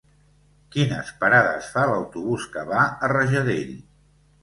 Quines parades fa l'autobús que va a Rajadell?